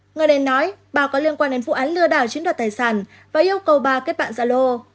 người nền nói bà có liên quan đến vụ án lừa đảo chiến đoạt tài sản và yêu cầu bà kết bạn dạ lô